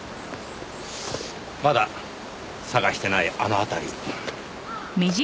まだ探してないあの辺り。